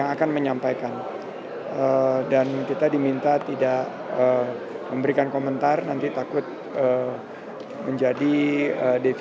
mas tapi kan kalau partai partai lain itu sudah mulai menggulirkan tanda tangan begitu ya kalau difraksinya di dpr